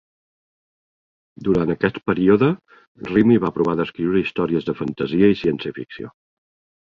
Durant aquest període, Reamy va provar d'escriure històries de fantasia i ciència ficció.